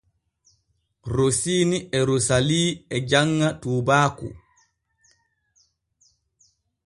Rosiini e Roosalii e janŋa tuubaaku.